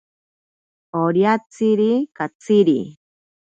Oriatsiri katsiri.